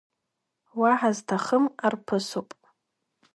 Уаҳа зҭахым арԥысуп.